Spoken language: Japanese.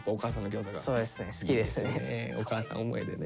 お母さん思いでね。